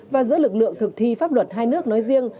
và giữa lực lượng thực thi pháp luật hai nước nói riêng